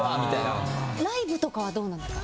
ライブとかはどうなんですか？